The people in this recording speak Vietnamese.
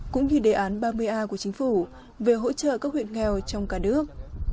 cũng như đề án ba mươi a của chính phủ về hỗ trợ các huyện nghèo trong cả nước